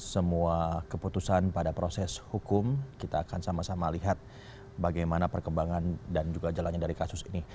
semua keputusan pada proses hukum kita akan sama sama lihat bagaimana perkembangan dan juga jalannya dari kasus ini